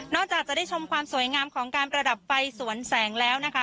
จากจะได้ชมความสวยงามของการประดับไฟสวนแสงแล้วนะคะ